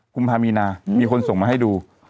กุมภามีนามีคนส่งมาให้ดู